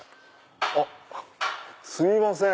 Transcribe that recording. あっすいません。